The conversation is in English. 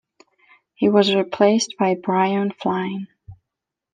He was replaced by Brian Flynn.